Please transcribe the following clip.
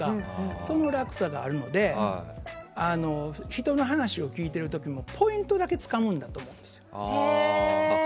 その落差があるので人の話を聞いてる時もポイントだけつかむんだと思うんですよ。